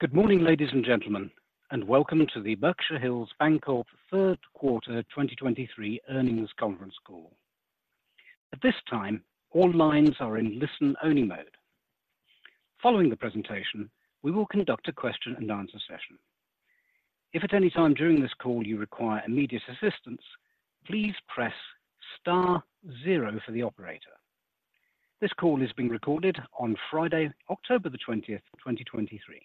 Good morning, ladies and gentlemen, and welcome to the Berkshire Hills Bancorp Third Quarter 2023 Earnings Conference Call. At this time, all lines are in listen-only mode. Following the presentation, we will conduct a question-and-answer session. If at any time during this call you require immediate assistance, please press star 0 for the operator. This call is being recorded on Friday, October the 20th, 2023.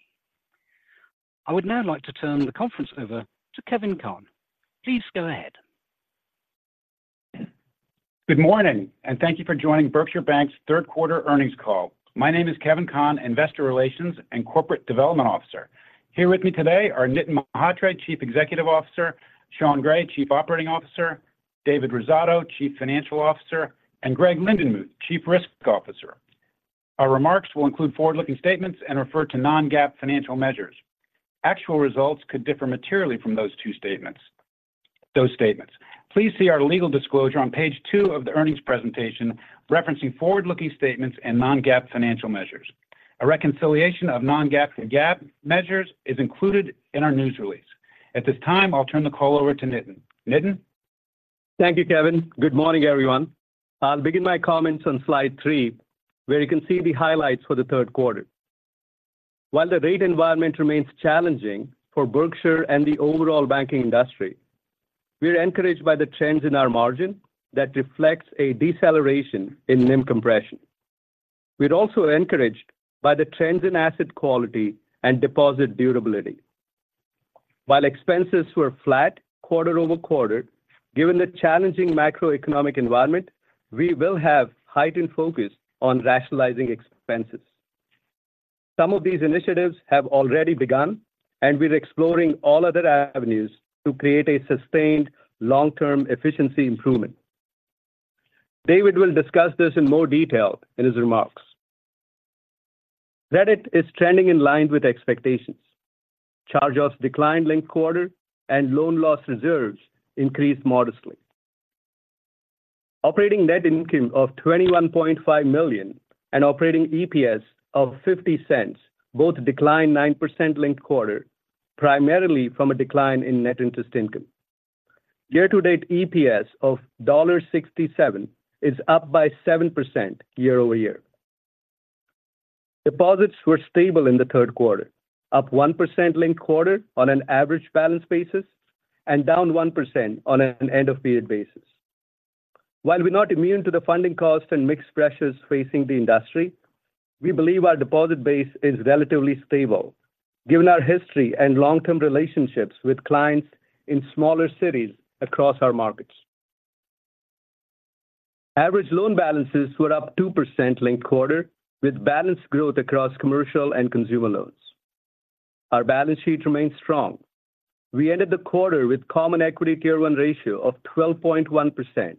I would now like to turn the conference over to Kevin Conn. Please go ahead. Good morning, and thank you for joining Berkshire Bank's third quarter earnings call. My name is Kevin Conn, Investor Relations and Corporate Development Officer. Here with me today are Nitin Mhatre, Chief Executive Officer, Sean Gray, Chief Operating Officer, David Rosato, Chief Financial Officer, and Greg Lindenmuth, Chief Risk Officer. Our remarks will include forward-looking statements and refer to non-GAAP financial measures. Actual results could differ materially from those statements. Please see our legal disclosure on page two of the earnings presentation, referencing forward-looking statements and non-GAAP financial measures. A reconciliation of non-GAAP and GAAP measures is included in our news release. At this time, I'll turn the call over to Nitin. Nitin? Thank you, Kevin. Good morning, everyone. I'll begin my comments on slide three, where you can see the highlights for the third quarter. While the rate environment remains challenging for Berkshire and the overall banking industry, we are encouraged by the trends in our margin that reflects a deceleration in NIM compression. We're also encouraged by the trends in asset quality and deposit durability. While expenses were flat quarter-over-quarter, given the challenging macroeconomic environment, we will have heightened focus on rationalizing expenses. Some of these initiatives have already begun, and we're exploring all other avenues to create a sustained long-term efficiency improvement. David will discuss this in more detail in his remarks. Credit is trending in line with expectations. Charge-offs declined linked quarter, and loan loss reserves increased modestly. Operating net income of $21.5 million and operating EPS of $0.50 both declined 9% linked-quarter, primarily from a decline in net interest income. Year-to-date EPS of $1.67 is up by 7% year-over-year. Deposits were stable in the third quarter, up 1% linked-quarter on an average balance basis and down 1% on an end-of-period basis. While we're not immune to the funding cost and mix pressures facing the industry, we believe our deposit base is relatively stable, given our history and long-term relationships with clients in smaller cities across our markets. Average loan balances were up 2% linked-quarter, with balance growth across commercial and consumer loans. Our balance sheet remains strong. We ended the quarter with Common Equity Tier 1 ratio of 12.1%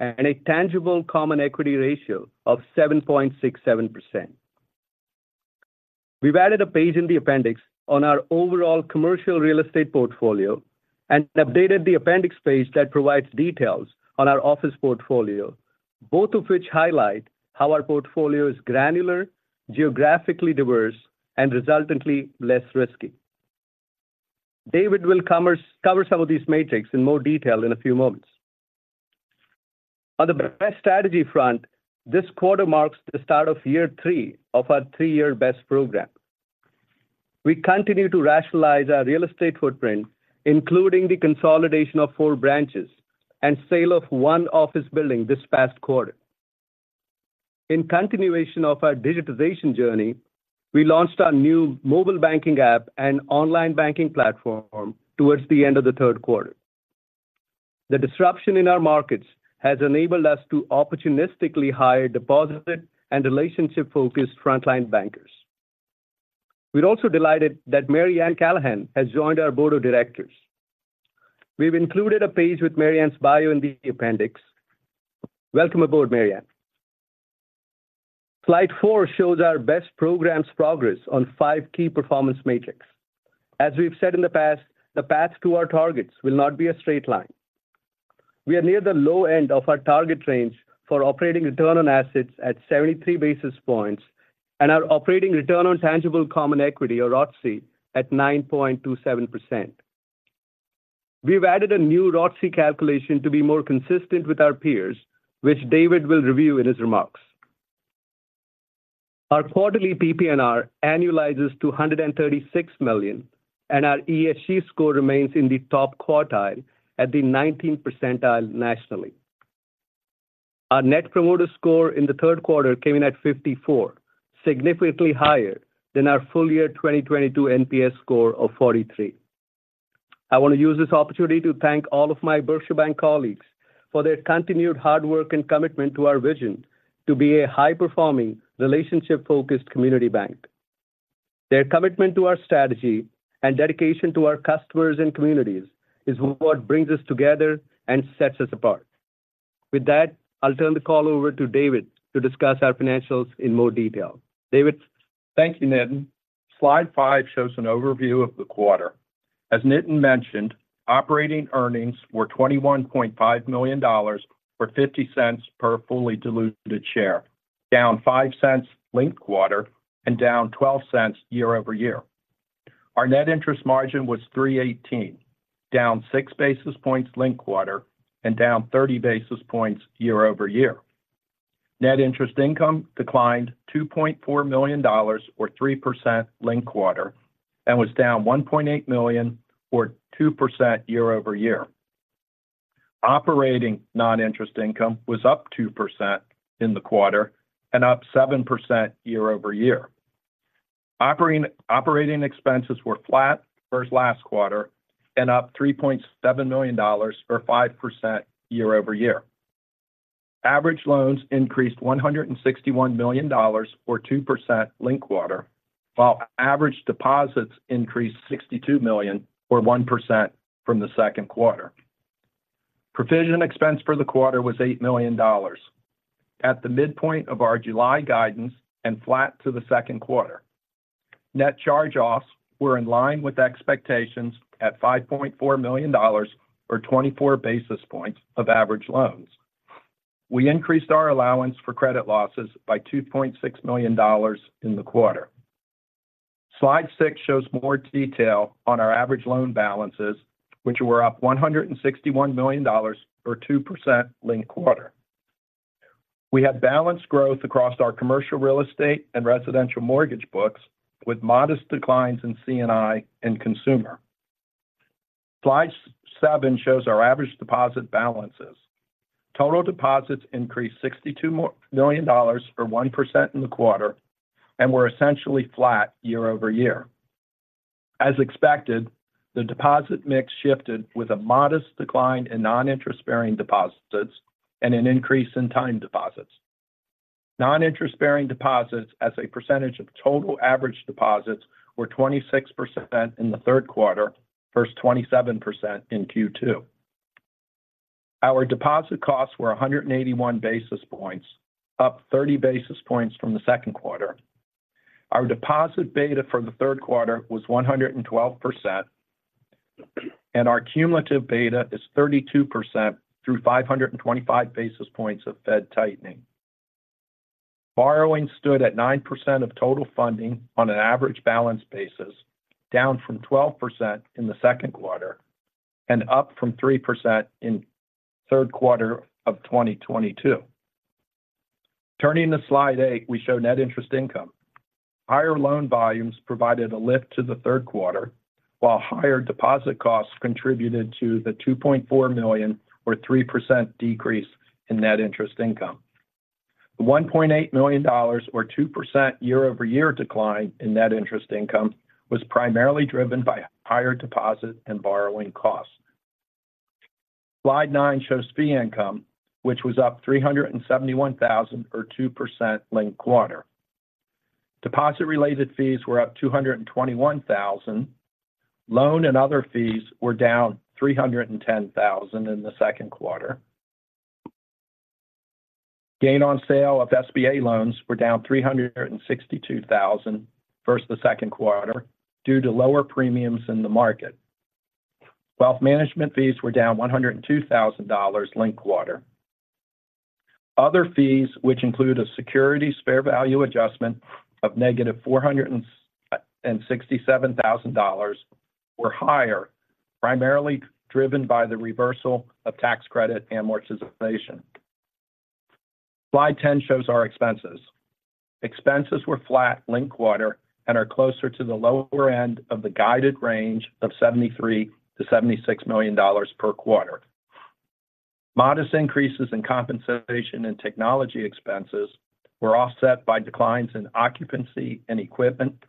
and a Tangible Common Equity ratio of 7.67%. We've added a page in the appendix on our overall Commercial Real Estate portfolio and updated the appendix page that provides details on our office portfolio, both of which highlight how our portfolio is granular, geographically diverse, and resultantly less risky. David will cover some of these metrics in more detail in a few moments. On the BEST strategy front, this quarter marks the start of year three of our three-year BEST program. We continue to rationalize our real estate footprint, including the consolidation of four branches and sale of one office building this past quarter. In continuation of our digitization journey, we launched our new mobile banking app and online banking platform towards the end of the third quarter. The disruption in our markets has enabled us to opportunistically hire deposit and relationship-focused frontline bankers. We're also delighted that Mary Anne Callahan has joined our board of directors. We've included a page with Mary Anne's bio in the appendix. Welcome aboard, Mary Anne. Slide four shows our BEST program's progress on five key performance metrics. As we've said in the past, the path to our targets will not be a straight line. We are near the low end of our target range for operating return on assets at 73 basis points and our operating return on tangible common equity, or ROTCE, at 9.27%. We've added a new ROTCE calculation to be more consistent with our peers, which David will review in his remarks. Our quarterly PPNR annualizes to $136 million, and our ESG score remains in the top quartile at the 19th percentile nationally. Our Net Promoter Score in the third quarter came in at 54, significantly higher than our full-year 2022 NPS score of 43. I want to use this opportunity to thank all of my Berkshire Bank colleagues for their continued hard work and commitment to our vision to be a high-performing, relationship-focused community bank. Their commitment to our strategy and dedication to our customers and communities is what brings us together and sets us apart. With that, I'll turn the call over to David to discuss our financials in more detail. David? Thank you, Nitin. Slide five shows an overview of the quarter. As Nitin mentioned, operating earnings were $21.5 million or $0.50 per fully diluted share, down $0.05 linked-quarter and down $0.12 year-over-year. Our net interest margin was 3.18, down six basis points linked-quarter and down 30 basis points year-over-year. Net interest income declined $2.4 million or 3% linked-quarter, and was down $1.8 million or 2% year-over-year. Operating non-interest income was up 2% in the quarter and up 7% year-over-year. Operating expenses were flat versus last quarter and up $3.7 million or 5% year-over-year. Average loans increased $161 million or 2% linked-quarter, while average deposits increased $62 million or 1% from the second quarter. Provision expense for the quarter was $8 million, at the midpoint of our July guidance and flat to the second quarter. Net charge-offs were in line with expectations at $5.4 million or 24 basis points of average loans. We increased our allowance for credit losses by $2.6 million in the quarter. Slide 6 shows more detail on our average loan balances, which were up $161 million or 2% linked-quarter. We had balanced growth across our commercial real estate and residential mortgage books, with modest declines in C&I and consumer. Slide 7 shows our average deposit balances. Total deposits increased $62 million or 1% in the quarter and were essentially flat year-over-year. As expected, the deposit mix shifted with a modest decline in non-interest-bearing deposits and an increase in time deposits. Non-interest-bearing deposits as a percentage of total average deposits were 26% in the third quarter versus 27% in Q2. Our deposit costs were 181 basis points, up 30 basis points from the second quarter. Our deposit beta for the third quarter was 112%, and our cumulative beta is 32% through 525 basis points of Fed tightening. Borrowing stood at 9% of total funding on an average balance basis, down from 12% in the second quarter and up from 3% in third quarter of 2022. Turning to slide eight, we show net interest income. Higher loan volumes provided a lift to the third quarter, while higher deposit costs contributed to the $2.4 million or 3% decrease in net interest income. + NUMBER + space + magnitude word (e.g., 'EUR 20 million', 'JPY 3 billion'). USD Exception: Use the dollar symbol $ placed directly before the amount with no space (e.g., '$20 million')." Wait, this rule says "$20 million". It doesn't explicitly say "$371,000" or "$371 thousand". However, "$371,000" is the standard way to write "three hundred and seventy-one thousand dollars". If the speaker said "three hundred and seventy-one thousand dollars", I would write "$371,000". If the speaker said "three hundred and seventy-one thousand", I would still write "$371,000" because it's a monetary amount. Wait, the rule says: "For monetary amounts expressed with magnitude words (million, billion, thousand), format as:... $20 million". Does "thousand" count as a magnitude word like "million"? Yes. Expenses were flat linked quarter and are closer to the lower end of the guided range of $73 million-$76 million per quarter. Modest increases in compensation and technology expenses were offset by declines in occupancy and equipment,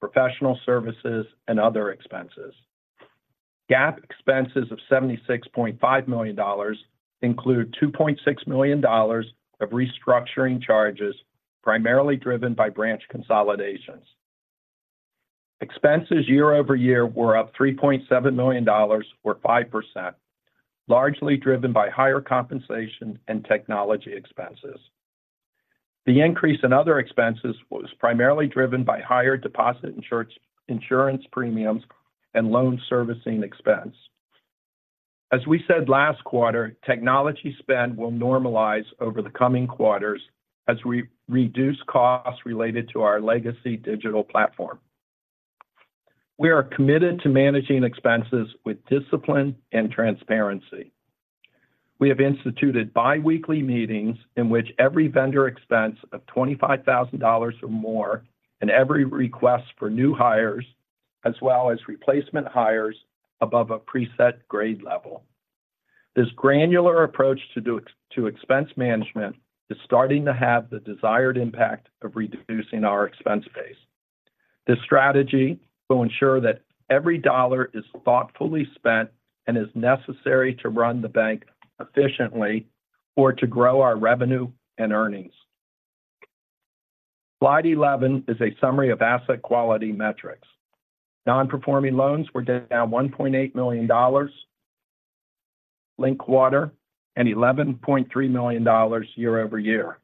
professional services, and other expenses. GAAP expenses of $76.5 million include $2.6 million of restructuring charges, primarily driven by branch consolidations. Expenses year-over-year were up $3.7 million or 5%, largely driven by higher compensation and technology expenses. The increase in other expenses was primarily driven by higher deposit insurance, insurance premiums and loan servicing expense. As we said last quarter, technology spend will normalize over the coming quarters as we reduce costs related to our legacy digital platform. We are committed to managing expenses with discipline and transparency. We have instituted bi-weekly meetings in which every vendor expense of $25,000 or more and every request for new hires, as well as replacement hires above a preset grade level. This granular approach to expense management is starting to have the desired impact of reducing our expense base. This strategy will ensure that every dollar is thoughtfully spent and is necessary to run the bank efficiently or to grow our revenue and earnings. Slide 11 is a summary of asset quality metrics. Non-performing loans were down $1.8 million linked-quarter and $11.3 million year-over-year.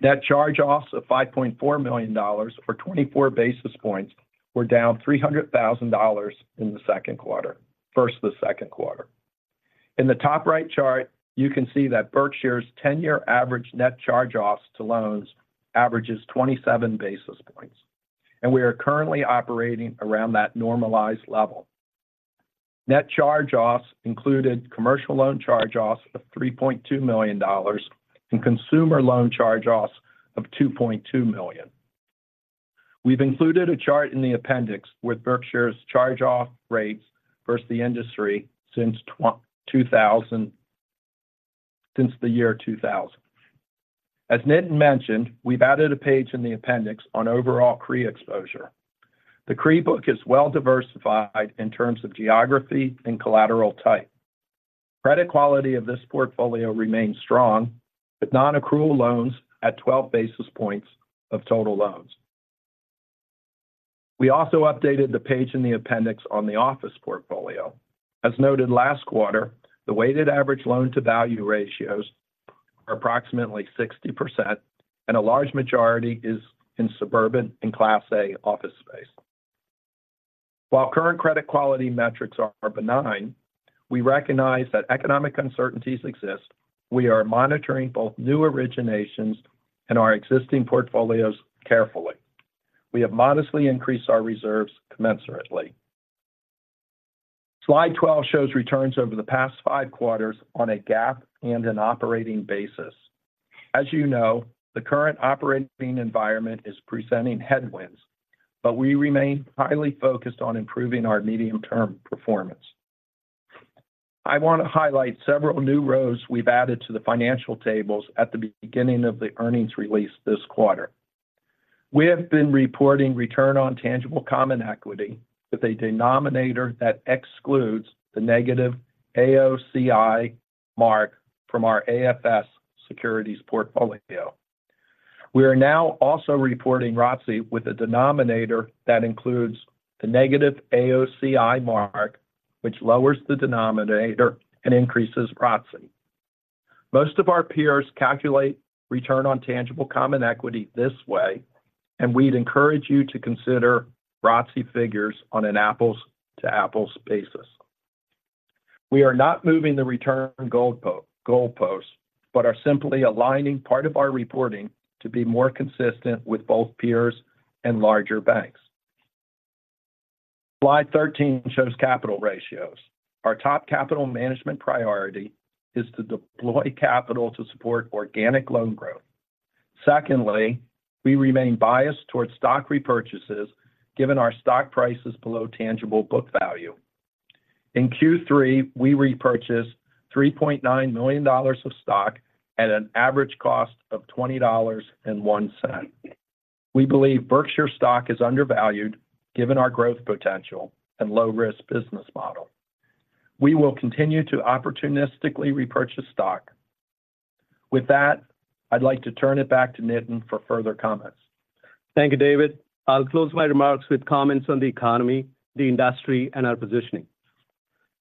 Net charge-offs of $5.4 million or 24 basis points were down $300,000 in the second quarter, versus the second quarter. In the top right chart, you can see that Berkshire's 10-year average net charge-offs to loans averages 27 basis points, and we are currently operating around that normalized level. Net charge-offs included commercial loan charge-offs of $3.2 million and consumer loan charge-offs of $2.2 million. We've included a chart in the appendix with Berkshire's charge-off rates versus the industry since the year 2000. As Nitin mentioned, we've added a page in the appendix on overall CRE exposure. The CRE book is well diversified in terms of geography and collateral type. Credit quality of this portfolio remains strong, with nonaccrual loans at 12 basis points of total loans. We also updated the page in the appendix on the office portfolio. As noted last quarter, the weighted average loan-to-value ratios are approximately 60%, and a large majority is in suburban and Class A office space. While current credit quality metrics are benign, we recognize that economic uncertainties exist. We are monitoring both new originations and our existing portfolios carefully. We have modestly increased our reserves commensurately. Slide 12 shows returns over the past five quarters on a GAAP and an operating basis. As you know, the current operating environment is presenting headwinds, but we remain highly focused on improving our medium-term performance. I want to highlight several new rows we've added to the financial tables at the beginning of the earnings release this quarter. We have been reporting return on tangible common equity with a denominator that excludes the negative AOCI mark from our AFS securities portfolio. We are now also reporting ROTCE with a denominator that includes the negative AOCI mark, which lowers the denominator and increases ROTCE. Most of our peers calculate return on tangible common equity this way, and we'd encourage you to consider ROTCE figures on an apples-to-apples basis. We are not moving the return goalposts, but are simply aligning part of our reporting to be more consistent with both peers and larger banks. Slide 13 shows capital ratios. Our top capital management priority is to deploy capital to support organic loan growth. Secondly, we remain biased towards stock repurchases, given our stock price is below tangible book value. In Q3, we repurchased $3.9 million of stock at an average cost of $20.01. We believe Berkshire stock is undervalued, given our growth potential and low-risk business model. We will continue to opportunistically repurchase stock. With that, I'd like to turn it back to Nitin for further comments. Thank you, David. I'll close my remarks with comments on the economy, the industry, and our positioning.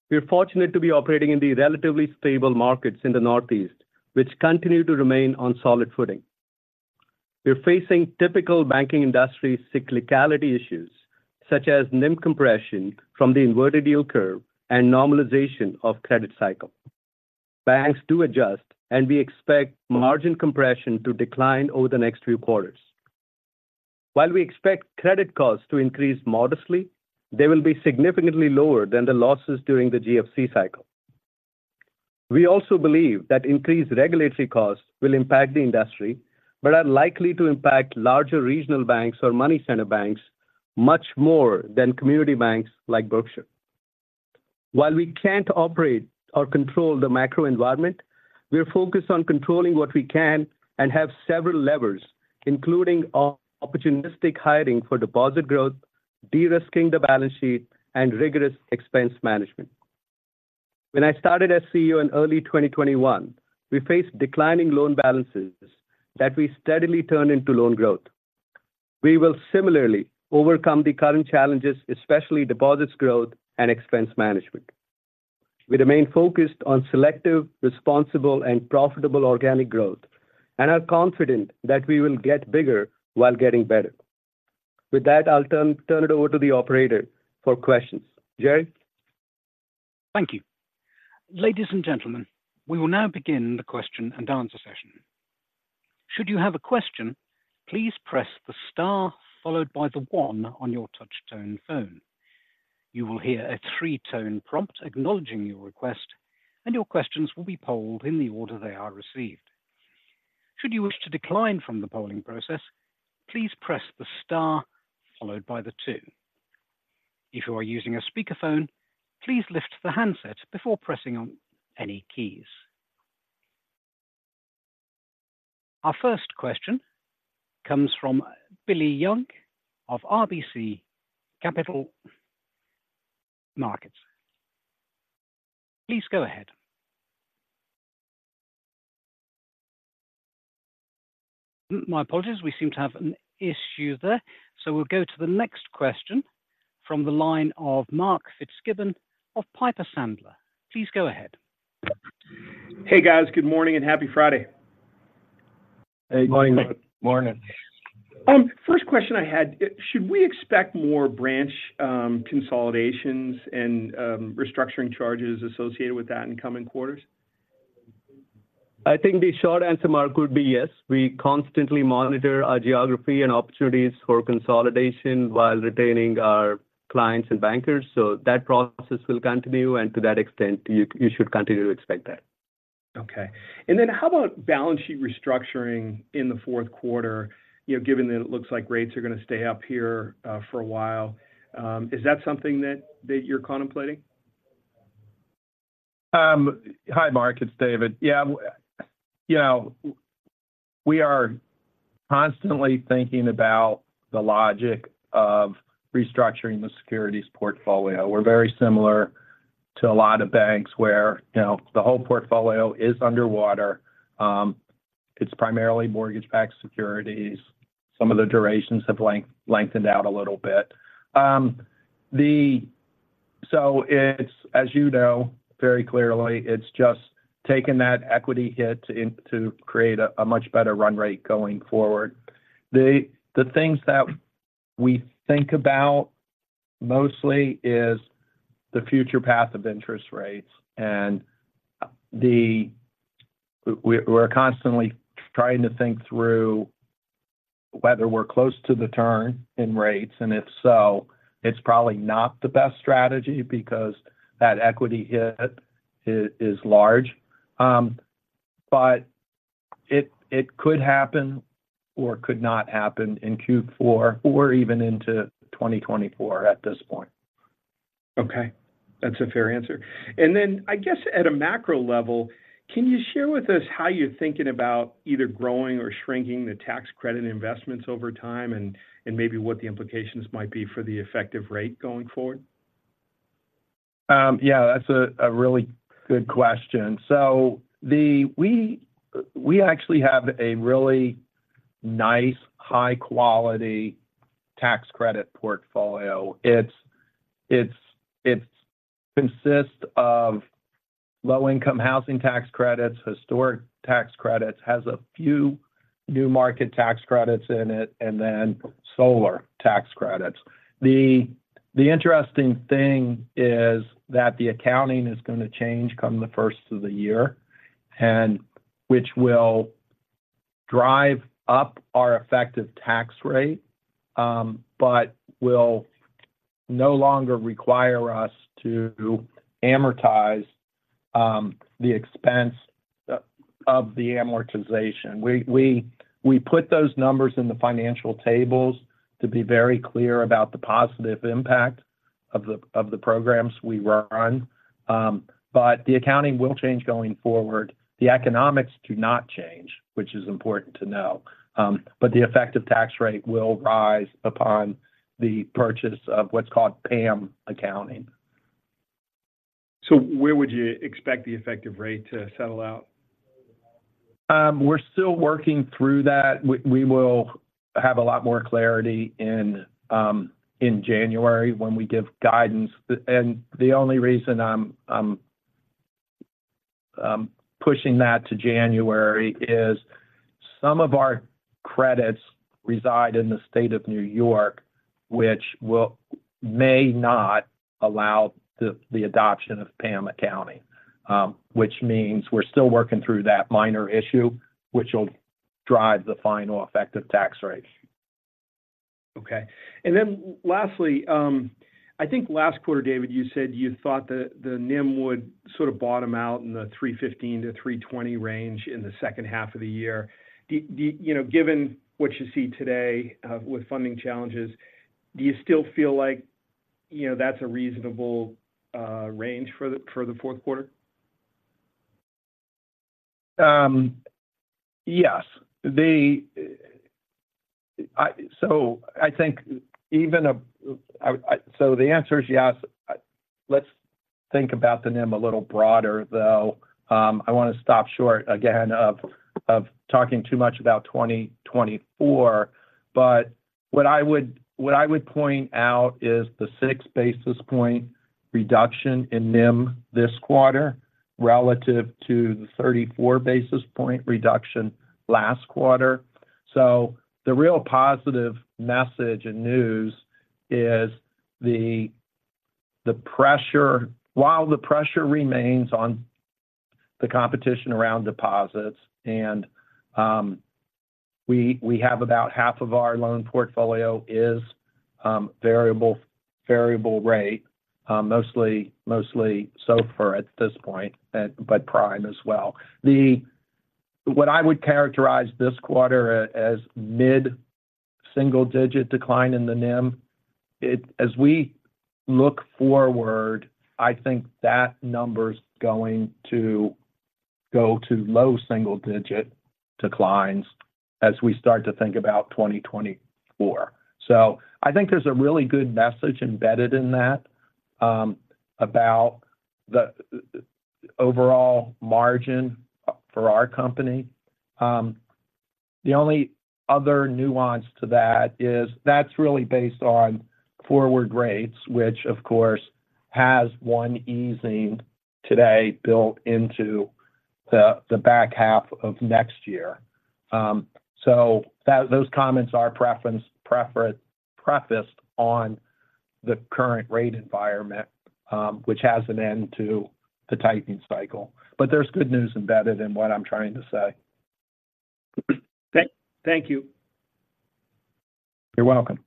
We are fortunate to be operating in the relatively stable markets in the Northeast, which continue to remain on solid footing. We're facing typical banking industry cyclicality issues, such as NIM compression from the inverted yield curve and normalization of credit cycle. Banks do adjust, and we expect margin compression to decline over the next few quarters. While we expect credit costs to increase modestly, they will be significantly lower than the losses during the GFC cycle. We also believe that increased regulatory costs will impact the industry, but are likely to impact larger regional banks or money center banks much more than community banks like Berkshire. While we can't operate or control the macro environment, we are focused on controlling what we can and have several levers, including opportunistic hiring for deposit growth, de-risking the balance sheet, and rigorous expense management. When I started as CEO in early 2021, we faced declining loan balances that we steadily turned into loan growth. We will similarly overcome the current challenges, especially deposits growth and expense management. We remain focused on selective, responsible, and profitable organic growth and are confident that we will get bigger while getting better. With that, I'll turn it over to the operator for questions. Jerry? Thank you. Ladies and gentlemen, we will now begin the question-and-answer session. Should you have a question, please press the star followed by the one on your touchtone phone. You will hear a three-tone prompt acknowledging your request, and your questions will be polled in the order they are received. Should you wish to decline from the polling process, please press the star followed by the two. If you are using a speakerphone, please lift the handset before pressing on any keys. Our first question comes from Billy Young of RBC Capital Markets. Please go ahead. My apologies, we seem to have an issue there. We'll go to the next question from the line of Mark Fitzgibbon of Piper Sandler. Please go ahead. Hey, guys. Good morning, and happy Friday. Hey. Good morning. First question I had, should we expect more branch consolidations and restructuring charges associated with that in coming quarters? The short answer Mark, would be yes. We constantly monitor our geography and opportunities for consolidation while retaining our clients and bankers, so that process will continue, and to that extent, you should continue to expect that. Okay. How about balance sheet restructuring in the fourth quarter? Given that it looks like rates are going to stay up here for a while, is that something that you're contemplating? Hi, Mark, it's David. Yeah we are constantly thinking about the logic of restructuring the securities portfolio. We're very similar to a lot of banks where the whole portfolio is underwater. It's primarily mortgage-backed securities. Some of the durations have lengthened out a little bit. As you know, very clearly, it's just taking that equity hit in to create a much better run rate going forward. The things that we think about mostly is the future path of interest rates and we're constantly trying to think through whether we're close to the turn in rates, and if so, it's probably not the best strategy because that equity hit is large. It could happen or could not happen in Q4 or even into 2024 at this point. Okay. That's a fair answer. At a macro level, can you share with us how you're thinking about either growing or shrinking the tax credit investments over time, and maybe what the implications might be for the effective rate going forward? Yeah, that's a really good question. We actually have a really nice, high-quality tax credit portfolio. It consists of low-income housing tax credits, historic tax credits, has a few new market tax credits in it, and then solar tax credits. The interesting thing is that the accounting is going to change come the first of the year, and which will drive up our effective tax rate, but will no longer require us to amortize the expense of the amortization. We put those numbers in the financial tables to be very clear about the positive impact of the programs we run. But the accounting will change going forward. The economics do not change, which is important to know, but the effective tax rate will rise upon the purchase of what's called PAM accounting. Where would you expect the effective rate to settle out? We're still working through that. We will have a lot more clarity in January when we give guidance. The only reason I'm pushing that to January is some of our credits reside in the state of New York, which may not allow the adoption of PAM accounting. Which means we're still working through that minor issue, which will drive the final effective tax rate. Lastly, I think last quarter, David, you said you thought the NIM would sort of bottom out in the 3.15-3.20 range in the second half of the year. Given what you see today with funding challenges, do you still feel like, you know, that's a reasonable range for the fourth quarter? Yes. The answer is yes. Let's think about the NIM a little broader, though. I want to stop short again of talking too much about 2024, but what I would point out is the six basis point reduction in NIM this quarter relative to the 34 basis point reduction last quarter. The real positive message and news is the pressure, while the pressure remains on the competition around deposits, and we have about half of our loan portfolio is variable rate, mostly so far at this point, but prime as well. What I would characterize this quarter as mid-single-digit decline in the NIM, as we look forward, that number's going to go to low-single-digit declines as we start to think about 2024. I think there's a really good message embedded in that about the overall margin for our company. The only other nuance to that is that's really based on forward rates, which of course has one easing today built into the back half of next year. Those comments are prefaced on the current rate environment, which has an end to the tightening cycle. There's good news embedded in what I'm trying to say. Thank you. You're welcome.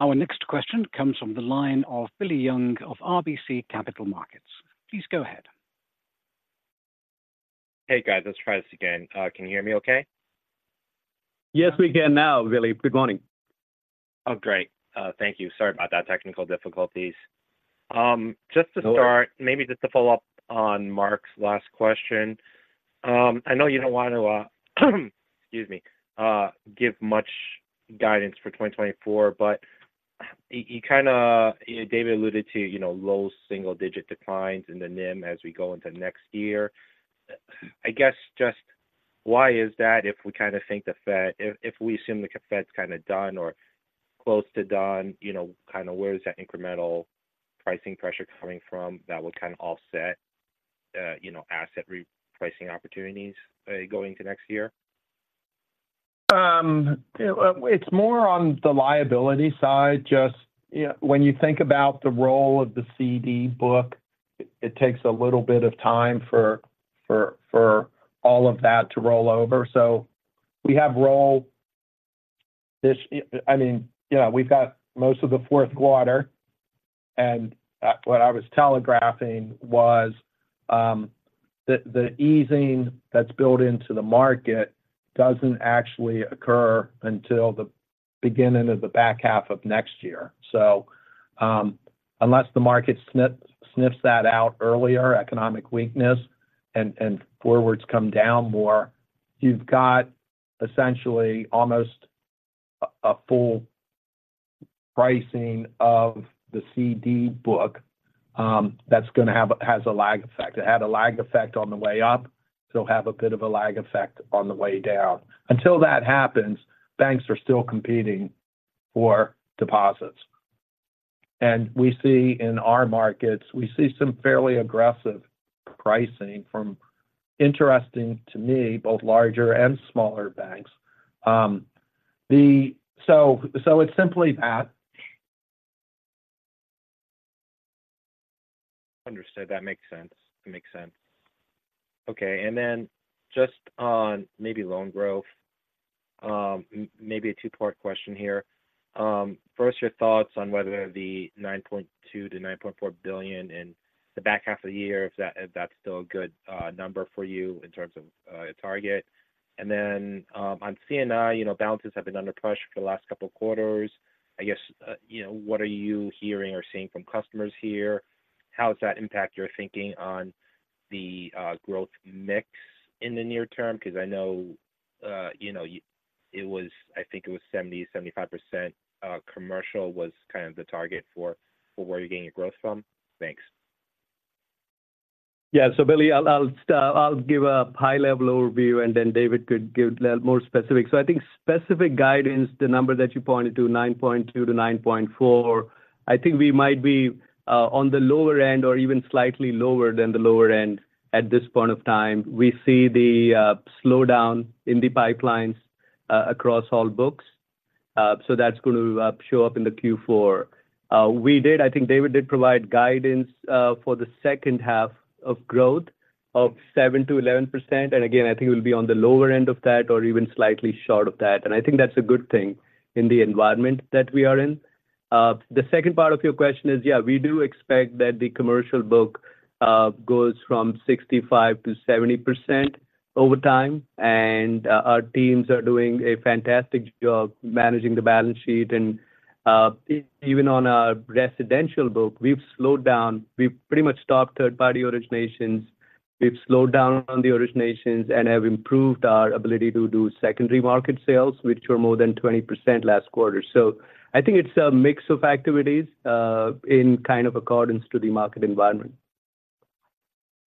Our next question comes from the line of Billy Young of RBC Capital Markets. Please go ahead. Hey, guys. Let's try this again. Can you hear me okay? Yes, we can now, Billy. Good morning. Oh, great. Thank you. Sorry about that, technical difficulties. Just to start. No- Maybe just to follow up on Mark's last question. I know you don't want to, excuse me, give much guidance for 2024, but David alluded to, you know, low single-digit declines in the NIM as we go into next year. I guess just why is that, if we assume the Fed's kinda done or close to done, you know, kinda where is that incremental pricing pressure coming from that would kind of offset, you know, asset repricing opportunities going to next year? It's more on the liability side. Just, you know, when you think about the role of the CD book, it takes a little bit of time for all of that to roll over. We have rolled this, I mean, yeah, we've got most of the fourth quarter, and what I was telegraphing was the easing that's built into the market doesn't actually occur until the beginning of the back half of next year. Unless the market sniffs that out earlier, economic weakness, and forwards come down more, you've got essentially almost a full pricing of the CD book that's gonna have a, has a lag effect. It had a lag effect on the way up, so have a bit of a lag effect on the way down. Until that happens, banks are still competing for deposits. We see in our markets, we see some fairly aggressive pricing from, interesting to me, both larger and smaller banks. It's simply that. Understood. That makes sense. It makes sense. Okay, just on maybe loan growth, maybe a two-part question here. First, your thoughts on whether the $9.2 billion-$9.4 billion in the back half of the year, if that's still a good number for you in terms of target? On C&I, you know, balances have been under pressure for the last couple of quarters. I guess, you know, what are you hearing or seeing from customers here? How does that impact your thinking on the growth mix in the near term? Because I know, you know, it was, I think it was 70%-75% commercial was kind of the target for where you're getting your growth from. Thanks. Yeah. Billy, I'll start. I'll give a high-level overview, and then David could give a little more specific. I think specific guidance, the number that you pointed to, 9.2-9.4, I think we might be on the lower end or even slightly lower than the lower end at this point of time. We see the slowdown in the pipelines across all books, so that's going to show up in the Q4. We did, I think David did provide guidance for the second half of growth of 7%-11%. Again, I think it will be on the lower end of that or even slightly short of that, and I think that's a good thing in the environment that we are in. The second part of your question is, yeah, we do expect that the commercial book goes from 65%-70% over time, and our teams are doing a fantastic job managing the balance sheet. Even on our residential book, we've slowed down. We've pretty much stopped third-party originations. We've slowed down on the originations and have improved our ability to do secondary market sales, which were more than 20% last quarter. I think it's a mix of activities in kind of accordance to the market environment.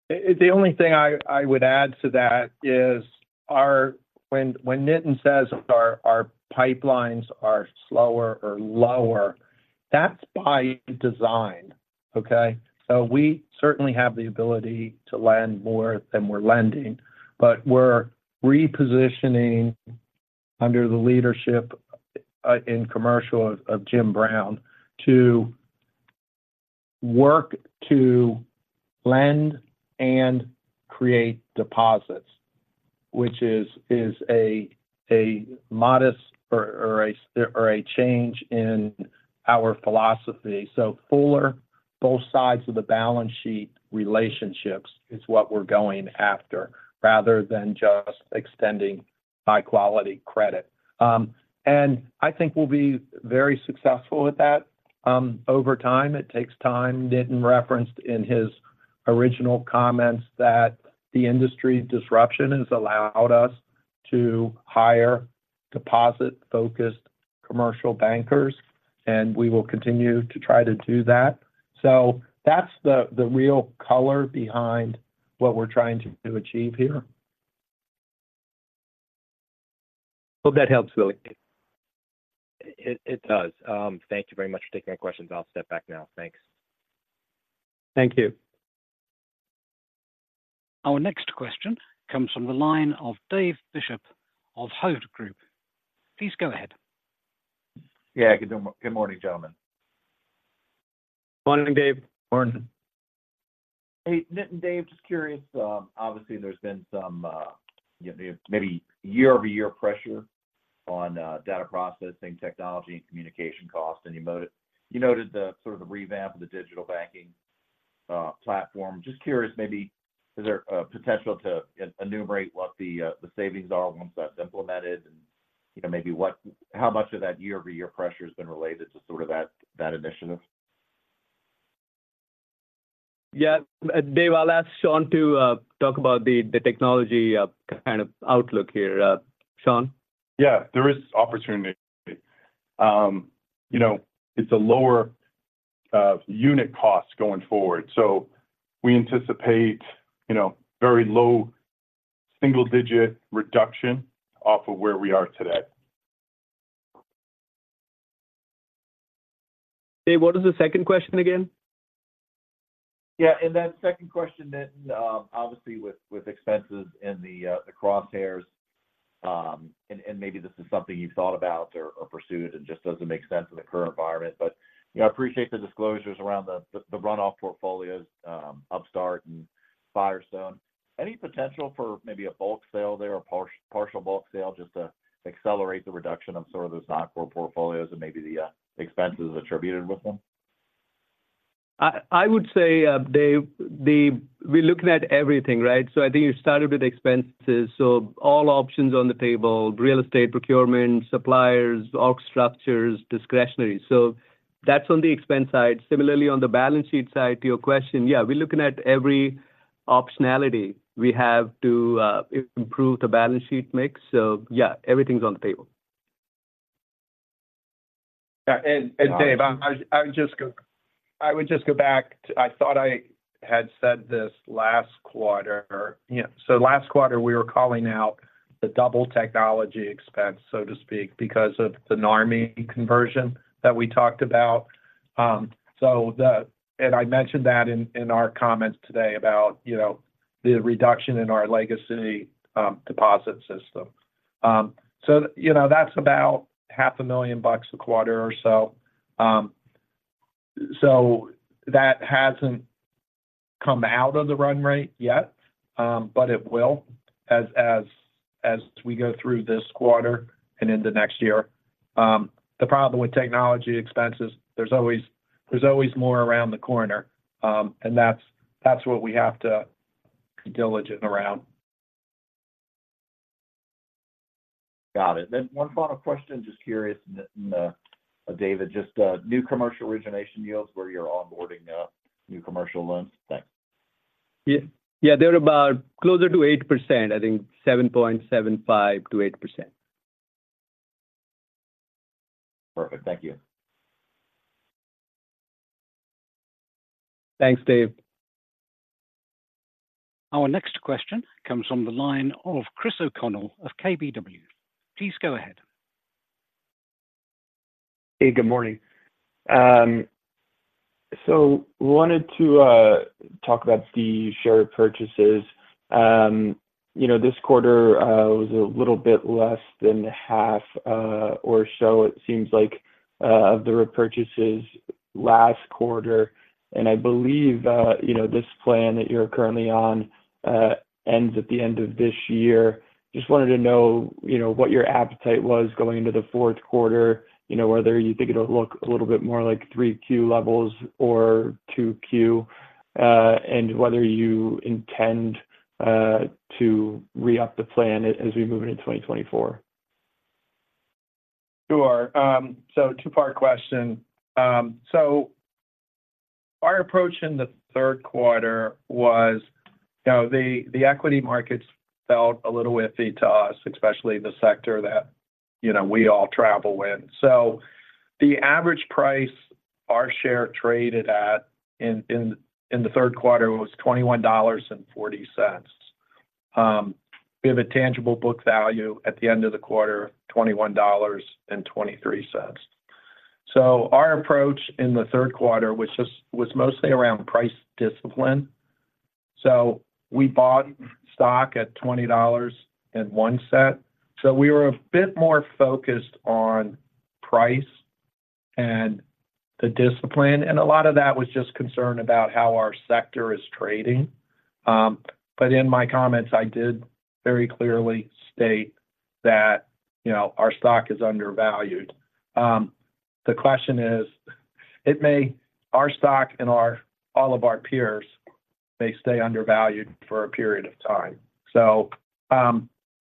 The only thing I would add to that is when Nitin says our pipelines are slower or lower, that's by design, okay? We certainly have the ability to lend more than we're lending, but we're repositioning under the leadership in commercial of Jim Brown to work to lend and create deposits, which is a modest or a change in our philosophy. Fuller both sides of the balance sheet relationships is what we're going after, rather than just extending high-quality credit. We'll be very successful with that over time. It takes time. Nitin referenced in his original comments that the industry disruption has allowed us to hire deposit-focused commercial bankers, and we will continue to try to do that. That's the real color behind what we're trying to achieve here. Hope that helps, Billy. It does. Thank you very much for taking my questions. I'll step back now. Thanks. Thank you. Our next question comes from the line of Dave Bishop of Hovde Group. Please go ahead. Yeah, good morning. Good morning, gentlemen. Morning, Dave. Morning. Hey, Nitin and Dave, just curious, obviously there's been some, you know, maybe year-over-year pressure on data processing, technology, and communication costs, and you noted, you noted the sort of the revamp of the digital banking platform. Just curious, maybe, is there a potential to enumerate what the savings are once that's implemented? How much of that year-over-year pressure has been related to sort of that, that initiative? Yeah. Dave, I'll ask Sean to talk about the technology kind of outlook here. Sean? Yeah, there is opportunity. You know, it's a lower unit cost going forward, so we anticipate, you know, very low single-digit reduction off of where we are today. Dave, what is the second question again? Yeah, second question, then, obviously with expenses in the crosshairs, and maybe this is something you've thought about or pursued and just doesn't make sense in the current environment. I appreciate the disclosures around the runoff portfolios, Upstart and Firestone. Any potential for maybe a bulk sale there or partial bulk sale just to accelerate the reduction of sort of those non-core portfolios and maybe the expenses attributed with them? I would say, Dave, we're looking at everything, right? I think you started with expenses. All options on the table: real estate procurement, suppliers, org structures, discretionary. That's on the expense side. Similarly, on the balance sheet side, to your question, yeah, we're looking at every optionality we have to improve the balance sheet mix. Yeah, everything's on the table. Yeah, Dave, I would just go back to I thought I had said this last quarter. Yeah, last quarter, we were calling out the double technology expense, so to speak, because of the Narmi conversion that we talked about. I mentioned that in our comments today about, you know, the reduction in our legacy deposit system. You know, that's about $500,000 a quarter or so. That hasn't come out of the run rate yet, but it will as we go through this quarter and into next year. The problem with technology expenses, there's always more around the corner, and that's what we have to be diligent around. Got it. One final question, just curious, Nitin and Dave, just new commercial origination deals where you're onboarding new commercial loans. Thanks. Yeah, yeah, they're about closer to 8%, I think 7.75%-8%. Perfect. Thank you. Thanks, Dave. Our next question comes from the line of Chris O'Connell of KBW. Please go ahead. Hey, good morning. Wanted to talk about the share repurchases. This quarter was a little bit less than half, or so it seems like, of the repurchases last quarter. I believe this plan that you're currently on ends at the end of this year. Just wanted to know what your appetite was going into the fourth quarter, whether you think it'll look a little bit more like 3Q levels or 2Q, and whether you intend to re-up the plan as we move into 2024? Sure. Two-part question. Our approach in the third quarter was, you know, the equity markets felt a little iffy to us, especially the sector that, you know, we all travel in. The average price our share traded at in the third quarter was $21.40. We have a tangible book value at the end of the quarter, $21.23. Our approach in the third quarter, which was mostly around price discipline. We bought stock at $20.01. We were a bit more focused on price and the discipline, and a lot of that was just concerned about how our sector is trading, but in my comments, I did very clearly state that, you know, our stock is undervalued. The question is, our stock and all of our peers may stay undervalued for a period of time.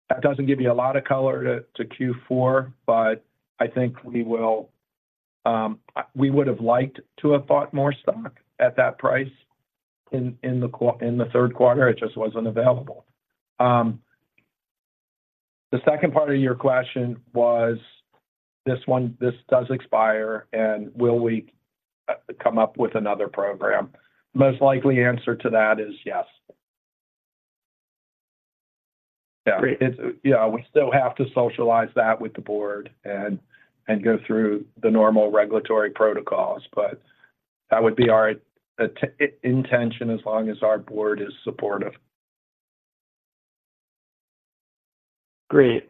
That doesn't give you a lot of color to Q4, but I think we will... We would have liked to have bought more stock at that price in the third quarter, it just wasn't available. The second part of your question was this one, this does expire, and will we come up with another program? Most likely answer to that is yes. Yeah, we still have to socialize that with the Board and go through the normal regulatory protocols, but that would be our intention as long as our Board is supportive. Great.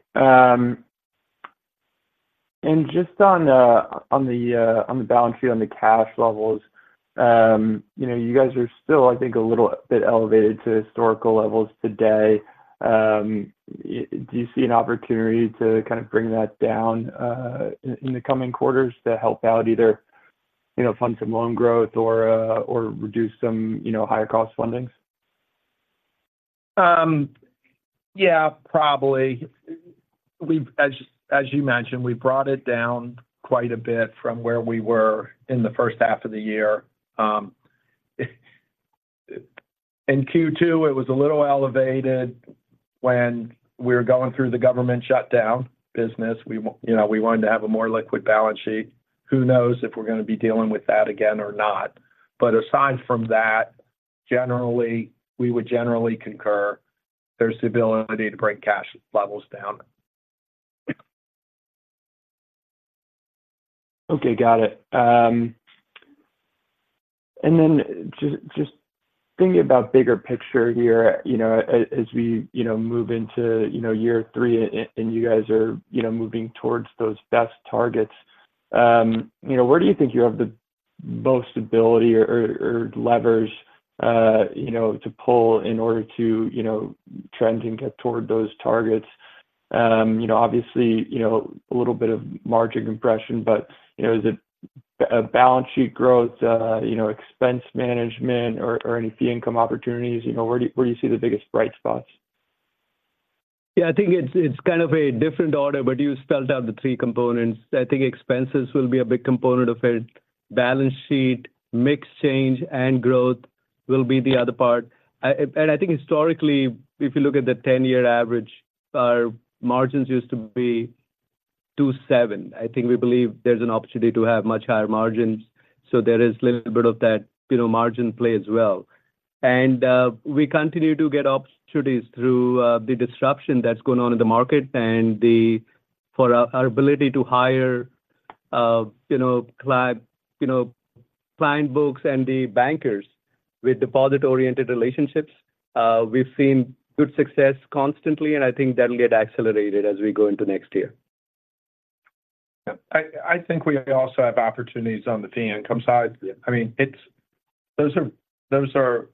Just on the balance sheet, on the cash levels, you guys are still a little bit elevated to historical levels today. Do you see an opportunity to kind of bring that down in the coming quarters to help out either, fund some loan growth or reduce some, you know, higher cost fundings? Yeah, probably. As you mentioned, we brought it down quite a bit from where we were in the first half of the year. In Q2, it was a little elevated when we were going through the government shutdown business. You know, we wanted to have a more liquid balance sheet. Who knows if we're gonna be dealing with that again or not? Aside from that, generally, we would generally concur there's the ability to bring cash levels down. Okay, got it. Just thinking about bigger picture here, you know, as we, you know, move into, you know, year three, and you guys are, you know, moving towards those BEST targets. Where do you think you have the most ability or levers to pull in order to, you know, trend and get toward those targets? Obviously, a little bit of margin compression, but is it balance sheet growth, you know, expense management or any fee income opportunities? Where do you see the biggest bright spots? Yeah, it's kind of a different order, but you spelled out the three components. Expenses will be a big component of it. Balance sheet, mix change, and growth will be the other part. Historically, if you look at the 10-year average, our margins used to be 2.7. We believe there's an opportunity to have much higher margins, so there is little bit of that, you know, margin play as well. We continue to get opportunities through the disruption that's going on in the market and for our ability to hire, you know, client books and the bankers with deposit-oriented relationships. We've seen good success constantly, and that'll get accelerated as we go into next year. Yeah. We also have opportunities on the fee income side. I mean, those are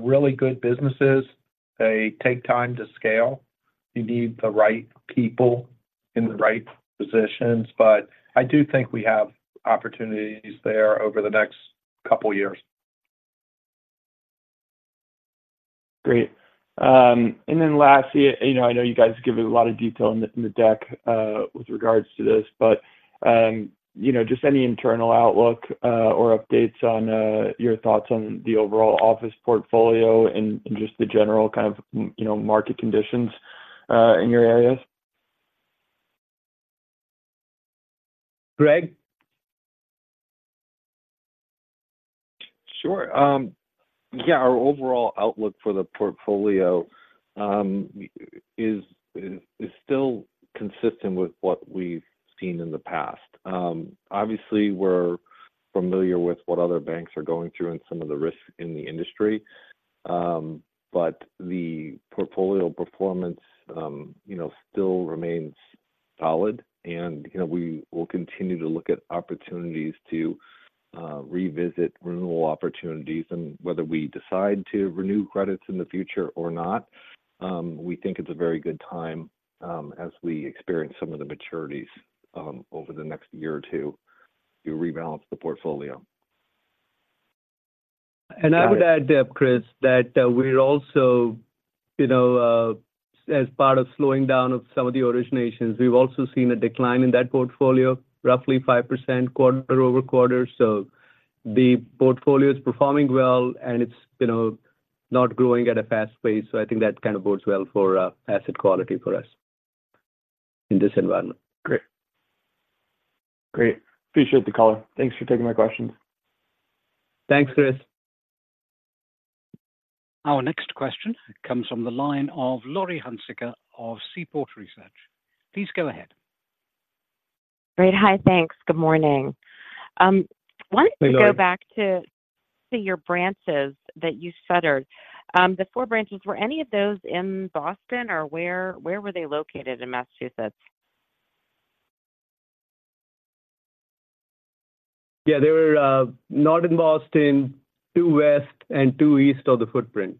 really good businesses. They take time to scale. You need the right people in the right positions, but I do think we have opportunities there over the next couple of years. Great. Lastly, you know, I know you guys give a lot of detail in the deck with regards to this, but, just any internal outlook or updates on your thoughts on the overall office portfolio and just the general kind of, you know, market conditions in your areas? Greg? Sure. Yeah, our overall outlook for the portfolio is still consistent with what we've seen in the past. Obviously, we're familiar with what other banks are going through and some of the risks in the industry. The portfolio performance, you know, still remains solid. We will continue to look at opportunities to revisit renewal opportunities and whether we decide to renew credits in the future or not. We think it's a very good time, as we experience some of the maturities over the next year or two, to rebalance the portfolio. I would add, Chris, that we're also, you know, as part of slowing down of some of the originations, we've also seen a decline in that portfolio, roughly 5% quarter-over-quarter. The portfolio is performing well, and it's, you know, not growing at a fast pace. I think that kind of bodes well for asset quality for us in this environment. Great. Great. Appreciate the call. Thanks for taking my questions. Thanks, Chris. Our next question comes from the line of Laurie Hunsicker of Seaport Research. Please go ahead. Great. Hi, thanks. Good morning. Hey, Laurie To go back to your branches that you shuttered, the four branches, were any of those in Boston, or where were they located in Massachusetts? Yeah, they were not in Boston, two west and two east of the footprint.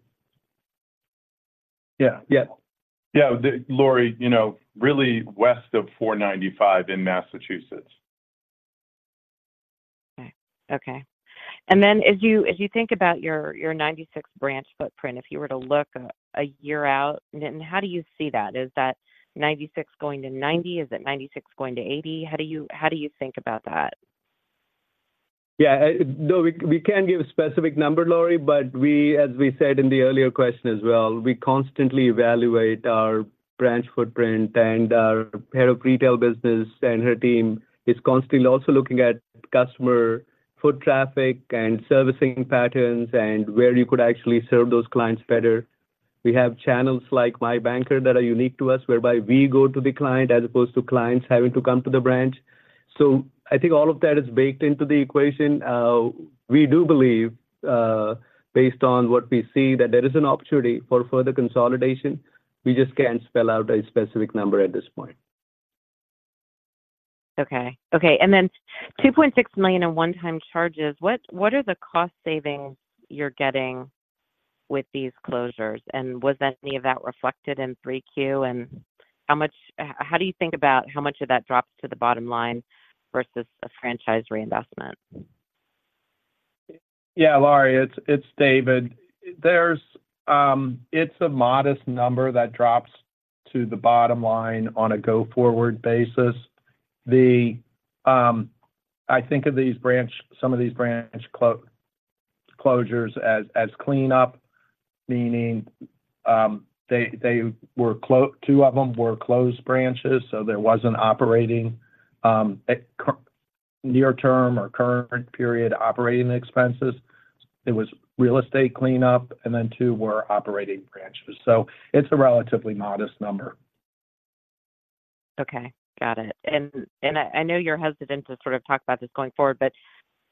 Yeah. Yeah. Yeah, Laurie, you know, really west of 495 in Massachusetts. Okay, okay. As you think about your 96 branch footprint, if you were to look a year out, then how do you see that? Is that 96 going to 90? Is it 96 going to 80? How do you think about that? Yeah, I, no, we can give a specific number, Laurie, but we, as we said in the earlier question as well, we constantly evaluate our branch footprint and our Head of Retail Business, and her team is constantly also looking at customer foot traffic and servicing patterns and where you could actually serve those clients better. We have channels like MyBanker that are unique to us, whereby we go to the client as opposed to clients having to come to the branch. I think all of that is baked into the equation. We do believe, based on what we see, that there is an opportunity for further consolidation. We just can't spell out a specific number at this point. Okay. Okay. $2.6 million in one-time charges, what are the cost savings you're getting with these closures? Was any of that reflected in 3Q? How do you think about how much of that drops to the bottom line versus a franchise reinvestment? Yeah, Laurie, it's David. It's a modest number that drops to the bottom line on a go-forward basis. I think of some of these branch closures as cleanup, meaning two of them were closed branches, so there wasn't operating near-term or current period operating expenses. It was real estate cleanup, and then two were operating branches. It's a relatively modest number. Okay, got it. I know you're hesitant to sort of talk about this going forward, but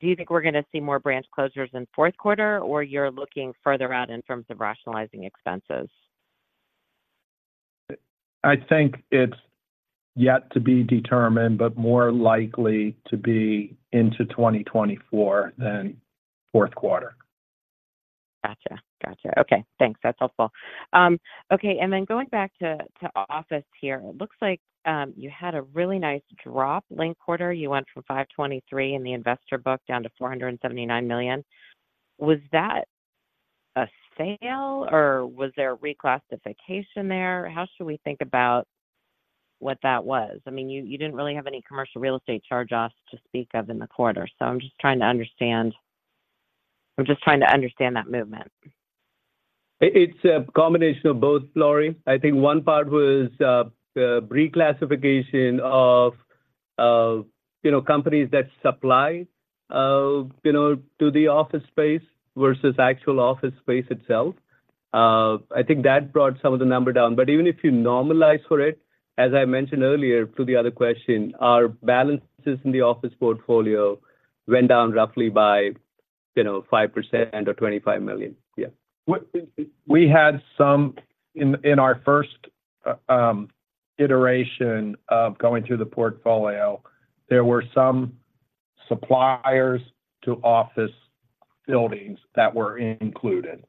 do you think we're going to see more branch closures in fourth quarter, or you're looking further out in terms of rationalizing expenses? It's yet to be determined, but more likely to be into 2024 than fourth quarter. Gotcha. Gotcha. Okay, thanks. That's helpful. Okay, and then going back to office here, it looks like you had a really nice drop linked-quarter. You went from $523 in the investor book down to $479 million. Was that a sale, or was there a reclassification there? How should we think about what that was? You didn't really have any commercial real estate charge-offs to speak of in the quarter, so I'm just trying to understand that movement. It's a combination of both, Laurie. One part was reclassification of, you know, companies that supply, you know, to the office space versus actual office space itself. I think that brought some of the number down. Even if you normalize for it, as I mentioned earlier to the other question, our balances in the office portfolio went down roughly by, you know, 5% or $25 million. Yeah. We had some in our first iteration of going through the portfolio. There were some suppliers to office buildings that were included.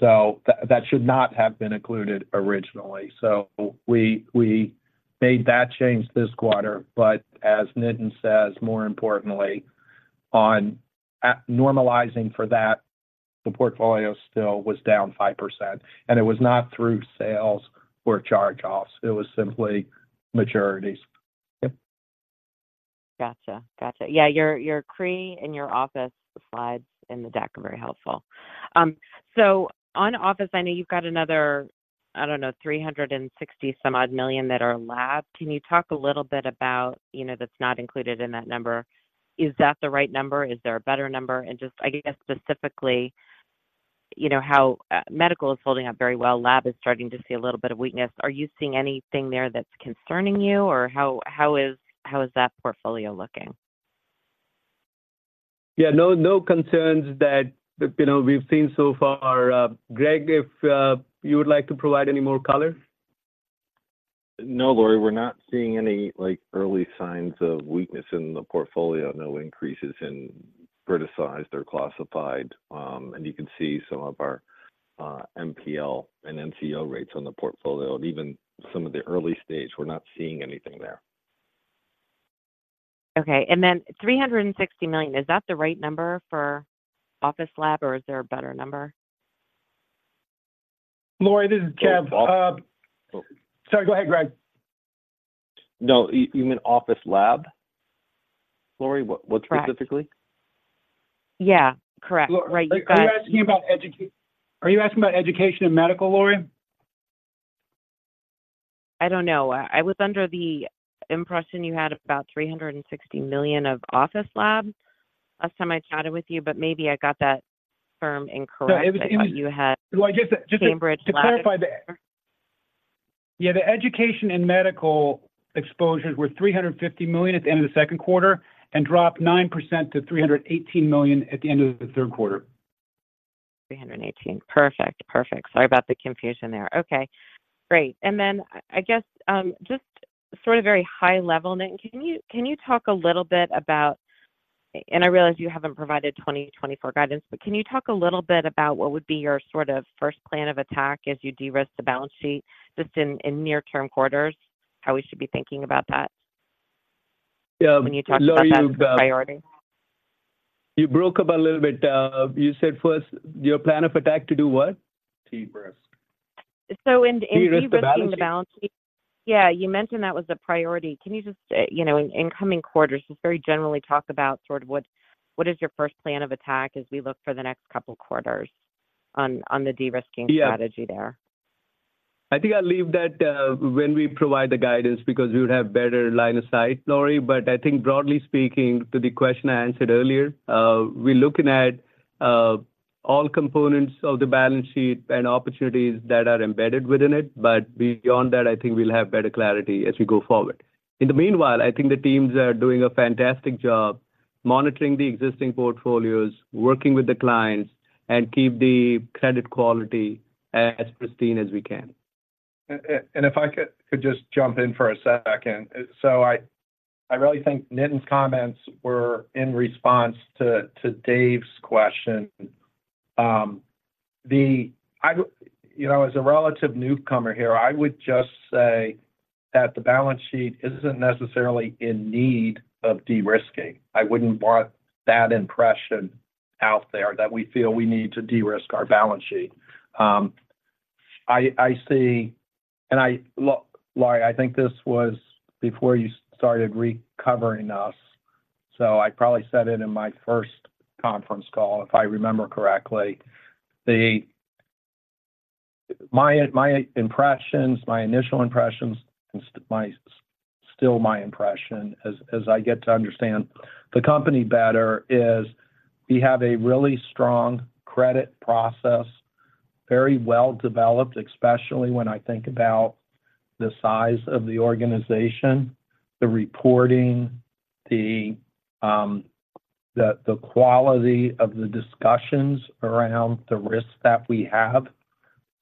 That should not have been included originally. We made that change this quarter. As Nitin says, more importantly, normalizing for that, the portfolio still was down 5%, and it was not through sales or charge-offs. It was simply maturities. Yep. Gotcha. Gotcha. Yeah, your CRE and your office slides in the deck are very helpful. On office, I know you've got another, I don't know, $360 some odd million that are labbed. Can you talk a little bit about, that's not included in that number? Is that the right number? Is there a better number? Just, I guess, specifically, you know, how medical is holding up very well, lab is starting to see a little bit of weakness. Are you seeing anything there that's concerning you? How is that portfolio looking? Yeah, no, no concerns that we've seen so far. Greg, if you would like to provide any more color? No, Laurie, we're not seeing any, like, early signs of weakness in the portfolio. No increases in criticized or classified. You can see some of our NPL and NCO rates on the portfolio, and even some of the early stage, we're not seeing anything there. Okay, $360 million, is that the right number for office lab, or is there a better number? Laurie, this is Kev. Oh. Sorry, go ahead, Greg. No, you meant office lab, Laurie? What? Correct What specifically? Yeah, correct. Right. Are you asking about education and medical, Laurie? I don't know. I was under the impression you had about $360 million of office lab last time I chatted with you, but maybe I got that firm incorrect. No, it was. I thought you had. Well, just to. Cambridge lab- Just to clarify, yeah, the education and medical exposures were $350 million at the end of the second quarter and dropped 9% to $318 million at the end of the third quarter. 318. Perfect. Perfect. Sorry about the confusion there. Okay, great. Then I guess, just sort of very high-level, Nitin, can you talk a little bit about, and I realize you haven't provided 2024 guidance, but can you talk a little bit about what would be your sort of first plan of attack as you de-risk the balance sheet, just in near-term quarters, how we should be thinking about that? Yeah, Laurie, you. When you talk about that as a priority. You broke up a little bit. You said first, your plan of attack to do what? De-risk. In de-risking the balance sheet? Yeah, you mentioned that was a priority. Can you just, you know, in incoming quarters, just very generally talk about sort of what is your first plan of attack as we look for the next couple quarters on the de-risking strategy there? I think I'll leave that when we provide the guidance because we would have better line of sight, Laurie. Broadly speaking, to the question I answered earlier, we're looking at all components of the balance sheet and opportunities that are embedded within it. Beyond that, we'll have better clarity as we go forward. In the meanwhile, the teams are doing a fantastic job monitoring the existing portfolios, working with the clients, and keep the credit quality as pristine as we can. If I could just jump in for a second. I really think Nitin's comments were in response to Dave's question. As a relative newcomer here, I would just say that the balance sheet isn't necessarily in need of de-risking. I wouldn't want that impression out there that we feel we need to de-risk our balance sheet. I see, and look, Laurie, I think this was before you started recovering us, so I probably said it in my first conference call, if I remember correctly. The... My impressions, my initial impressions, and still my impression as I get to understand the company better, is we have a really strong credit process, very well developed, especially when I think about the size of the organization, the reporting, the quality of the discussions around the risks that we have,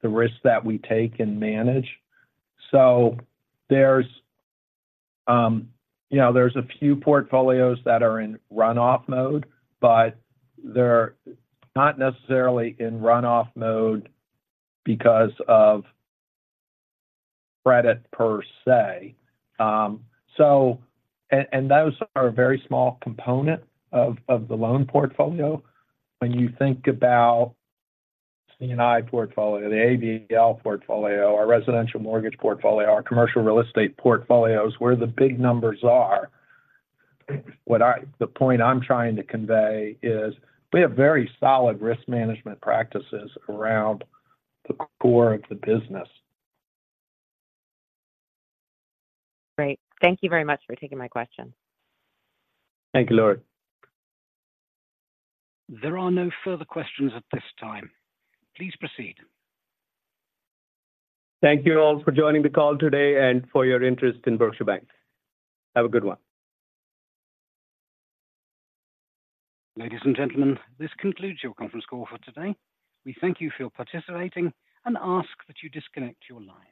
the risks that we take and manage. There's, you know, there's a few portfolios that are in runoff mode, but they're not necessarily in runoff mode because of credit per se. Those are a very small component of the loan portfolio. When you think about C&I portfolio, the ABL portfolio, our residential mortgage portfolio, our commercial real estate portfolios, where the big numbers are, the point I'm trying to convey is we have very solid risk management practices around the core of the business. Great. Thank you very much for taking my question. Thank you, Laurie. There are no further questions at this time. Please proceed. Thank you all for joining the call today and for your interest in Berkshire Bank. Have a good one. Ladies and gentlemen, this concludes your conference call for today. We thank you for participating and ask that you disconnect your lines.